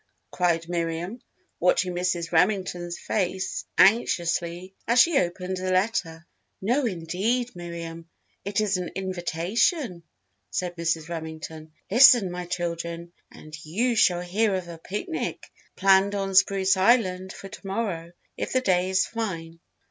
cried Miriam, watching Mrs. Remington's face anxiously as she opened the letter. "No indeed, Miriam it is an invitation," said Mrs. Remington. "Listen, my children, and you shall hear of a picnic planned on Spruce Island for to morrow if the day is fine.